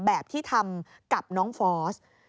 แบบที่ทำกับน้องฟอส